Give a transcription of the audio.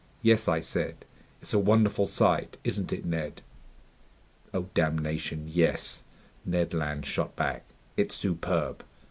"Yes," I said, "it's a wonderful sight! Isn't it, Ned?" "Oh damnation, yes!" Ned Land shot back. "It's superb!